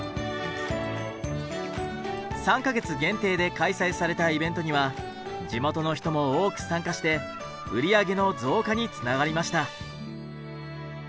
３か月限定で開催されたイベントには地元の人も多く参加して売り上げの増加につながりました。